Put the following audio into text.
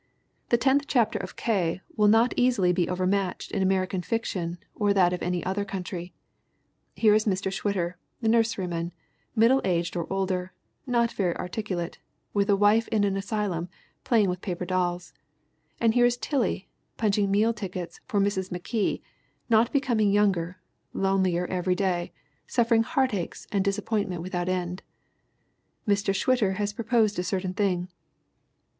The tenth chapter of K. will not easily be overmatched in American fiction or that of any other country. Here is Mr. Schwitter, the nurseryman, middle aged or older, not very articulate, with a wife in an asylum playing with paper dolls; and here is Tillie, punching meal tickets for Mrs. McKee, not be coming younger, lonelier every day, suffering heart aches and disappointment without end. Mr. Schwitter has proposed a certain thing.